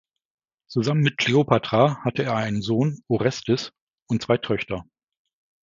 Zusammen mit Kleopatra hatte er einen Sohn Orestes und zwei Töchter.